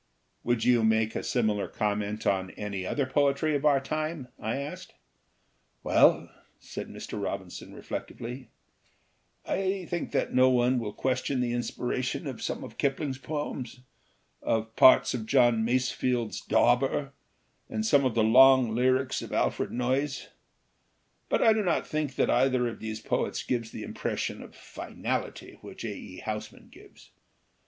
"Would you make a similar comment on any other poetry of our time?" I asked. "Well," said Mr. Robinson, reflectively, "I 270 NEW DEFINITION OF POETRY think that no one will question the inspiration of some of Kipling's poems, of parts of John Mase field's Dauber, and some of the long lyrics of Alfred Noyes. But I do not think that either of these poets gives the impression of finality which A. E. Housman gives.